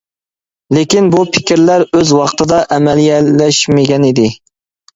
لېكىن بۇ پىكىرلەر ئۆز ۋاقتىدا ئەمەلىيلەشمىگەنىدى.